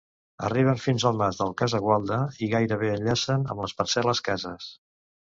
Arriben fins al mas del Casagualda i gairebé enllacen amb les parcel·les Cases.